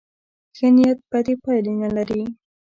ښه نیت بدې پایلې نه لري.